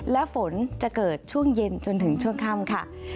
และฝนจะเกิดช่วงเย็นจนถึงช่วงค่ำค่ะ